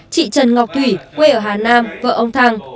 chị trần ngọc thủy quê ở hà nam vợ ông thăng